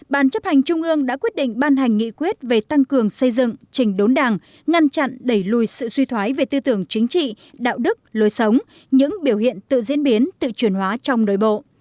ban chấp hành trung ương đã quyết định ban hành nghị quyết về tăng cường xây dựng chỉnh đốn đảng ngăn chặn đẩy lùi sự suy thoái về tư tưởng chính trị đạo đức lối sống những biểu hiện tự diễn biến tự chuyển hóa trong nội bộ